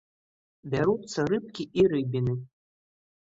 Бяруцца рыбкі і рыбіны.